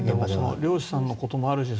漁師さんのこともあるし